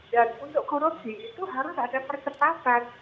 dan untuk korupsi itu harus ada percepatan